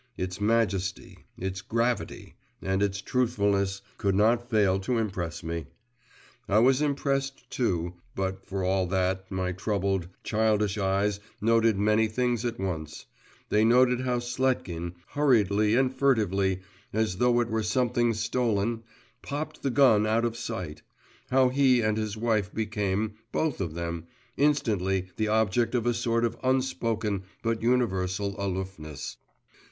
its majesty, its gravity, and its truthfulness could not fail to impress me. I was impressed too, … but for all that, my troubled, childish eyes noted many things at once; they noted how Sletkin, hurriedly and furtively, as though it were something stolen, popped the gun out of sight; how he and his wife became, both of them, instantly the object of a sort of unspoken but universal aloofness.